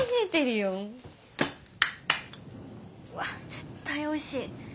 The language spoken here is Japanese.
うわっ絶対おいしい。